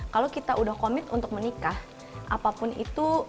kalau kita udah komit untuk menikah apapun itu